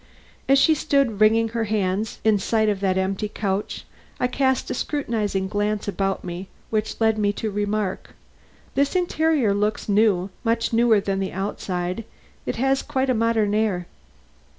As she stood wringing her hands in sight of that empty couch, I cast a scrutinizing glance about me, which led me to remark: "This interior looks new; much newer than the outside. It has quite a modern air."